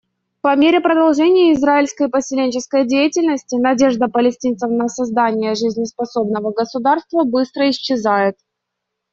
По мере продолжения израильской поселенческой деятельности надежда палестинцев на создание жизнеспособного государства быстро исчезает.